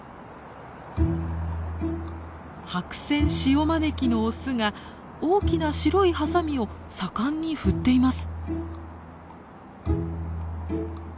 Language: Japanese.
ハクセンシオマネキのオスが大きな白いハサミを盛んに振っています。